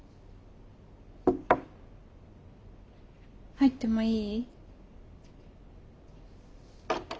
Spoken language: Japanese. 入ってもいい？